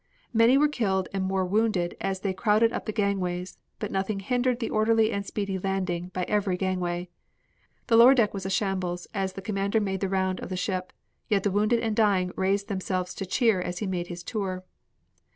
Many were killed and more wounded as they crowded up the gangways, but nothing hindered the orderly and speedy landing by every gangway. The lower deck was a shambles, as the commander made the round of the ship, yet the wounded and dying raised themselves to cheer as he made his tour.